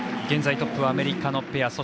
現在トップはアメリカのペア。